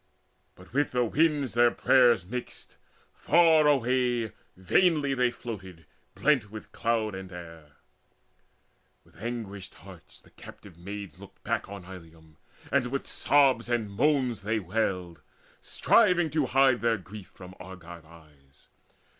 But with the winds their prayers mixed; far away Vainly they floated blent with cloud and air. With anguished hearts the captive maids looked back On Ilium, and with sobs and moans they wailed, Striving to hide their grief from Argive eyes.